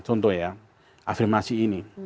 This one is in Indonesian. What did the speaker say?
contoh ya afirmasi ini